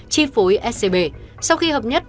chi phối scb sau khi hợp nhất